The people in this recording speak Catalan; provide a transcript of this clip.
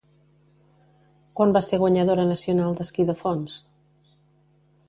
Quan va ser guanyadora nacional d'esquí de fons?